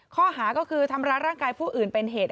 ข้อหาก็คือทำร้ายร่างกายผู้อื่นเป็นเหตุ